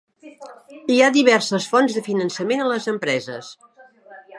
Hi ha diverses fonts de finançament a les empreses.